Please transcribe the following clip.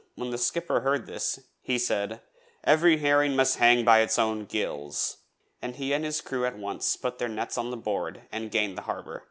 When the Skipper heard this he said: 'Every herring must hang by its own gills,' and he and his crew at once put their nets on board and gained the harbour.